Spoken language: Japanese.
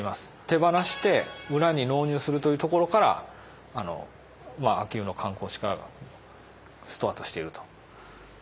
手放して村に納入するというところから秋保の観光地化がスタートしていると。